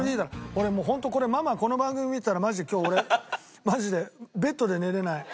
俺もう本当これママこの番組見てたらマジで今日俺マジでベッドで寝れない。